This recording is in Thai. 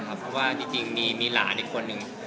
เพราะว่าจริงมีหลานอีกคนนึง